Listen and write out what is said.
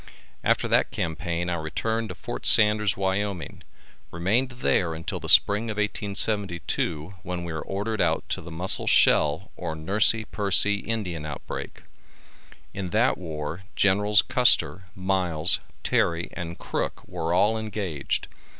After that campaign I returned to Fort Sanders, Wyoming, remained there until spring of 1872, when we were ordered out to the Muscle Shell or Nursey Pursey Indian outbreak. In that war Generals Custer, Miles, Terry and Crook were all engaged.